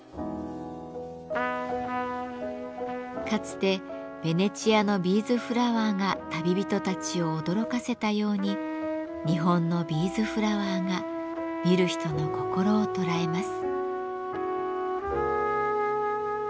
かつてベネチアのビーズフラワーが旅人たちを驚かせたように日本のビーズフラワーが見る人の心を捉えます。